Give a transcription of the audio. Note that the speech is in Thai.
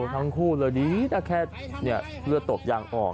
ทั้งคู่เลยดีนะแค่เลือดตกยางออก